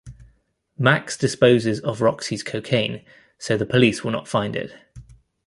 Max disposes of Roxy's cocaine so the police will not find it.